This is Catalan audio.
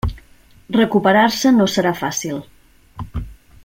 Recuperar-se no serà fàcil.